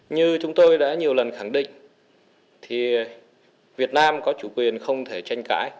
như chúng tôi đã nhiều lần khẳng định thì việt nam có chủ quyền không thể tranh cãi